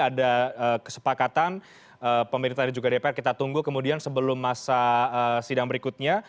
ada kesepakatan pemerintah dan juga dpr kita tunggu kemudian sebelum masa sidang berikutnya